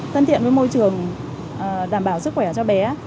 thân thiện với môi trường đảm bảo sức khỏe cho bé